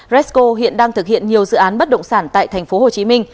resco hiện đang thực hiện nhiều dự án bất động sản tại tp hcm